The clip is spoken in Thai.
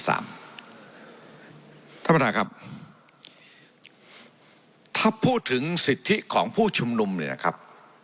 ท่านประธานครับถ้าพูดถึงสิทธิของผู้ชุมนุมเนี่ยนะครับ